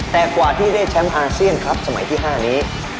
แต่กว่าที่ได้แชมป์อาเซียนครับสมัยที่๕นี้